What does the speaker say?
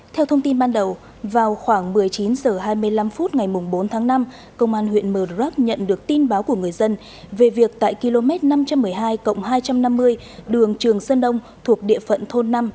theo thông tin ban đầu vào khoảng một mươi chín h hai mươi năm phút ngày bốn tháng năm công an huyện mờ rắc nhận được tin báo của người dân về việc tại km năm trăm một mươi hai hai trăm năm mươi đường trường sơn đông thuộc địa phận thôn năm